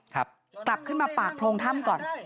กลับขึ้นมาปากโพรงถ้ำก่อน